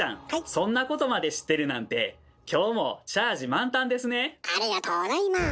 そんなことまで知ってるなんてありがとうございます！